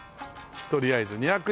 とりあえず２００円